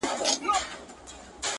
کبرجن سو ګمراهي ځني کيدله.